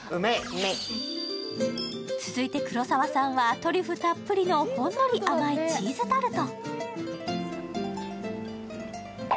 続いて黒沢さんはトリュフたっぷりのほんのり甘いチーズタルト。